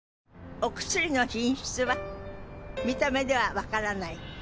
お薬の品質は見た目では分からない。